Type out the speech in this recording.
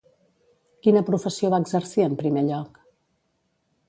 Quina professió va exercir en primer lloc?